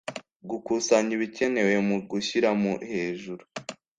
gukusanya ibikenewe mu gushyira mu hejuru